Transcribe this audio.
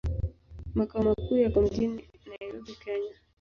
Makao makuu yako mjini Nairobi, Kenya.